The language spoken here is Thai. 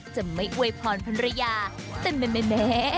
จะไม่อวยพรคนระยะแต่แมน